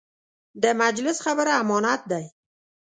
د مجلس خبره امانت دی.